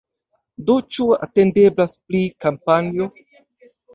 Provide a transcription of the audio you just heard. Do ĉu atendeblas plia kampanjo?